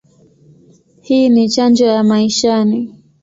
Hii ni chanjo ya maishani.